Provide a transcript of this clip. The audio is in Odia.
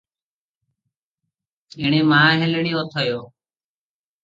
ଏଣେ ମା ହେଲେଣି ଅଥୟ ।